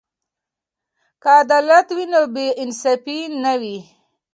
که عدالت وي نو بې انصافي نه وي.